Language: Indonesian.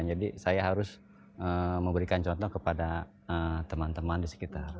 jadi saya harus memberikan contoh kepada teman teman di sekitar